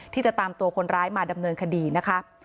ที่จะตามตัวคนร้ายมาดำเนินคดีนะคะ